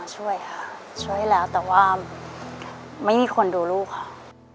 ช่วยค่ะช่วยแล้วแต่ว่าไม่มีคนดูลูกค่ะ